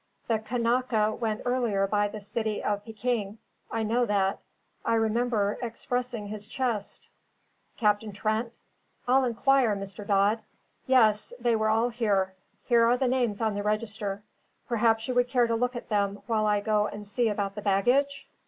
The Kanaka went earlier by the City of Pekin; I know that; I remember expressing his chest. Captain Trent? I'll inquire, Mr. Dodd. Yes, they were all here. Here are the names on the register; perhaps you would care to look at them while I go and see about the baggage?"